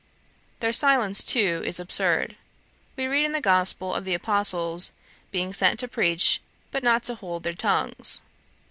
Their silence, too, is absurd. We read in the Gospel of the apostles being sent to preach, but not to hold their tongues.